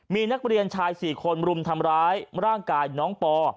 มีนักเรียนชาย๔คนรุมทำร้ายร่างกายน้องปอ